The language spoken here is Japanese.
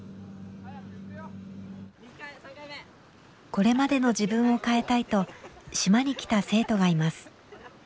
これまでの自分を変えたいと島に来た生徒がいます。